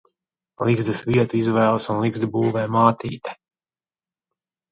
Ligzdas vietu izvēlas un ligzdu būvē mātīte.